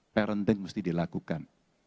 parenting mesti dilakukan